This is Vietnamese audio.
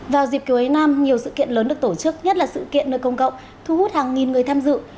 vào dịp cuối năm nhiều sự kiện lớn được tổ chức nhất là sự kiện nơi công cộng thu hút hàng nghìn người tham dự